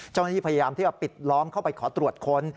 เจ้าหน้าที่พยายามที่จะปิดล้อมเข้าไปขอตรวจค้น